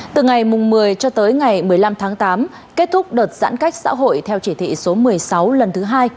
từ ngày một mươi cho tới ngày một mươi năm tháng tám kết thúc đợt giãn cách xã hội theo chỉ thị số một mươi sáu lần thứ hai